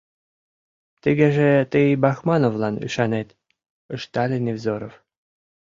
— Тыгеже тый Бахмановлан ӱшанет, — ыштале Невзоров.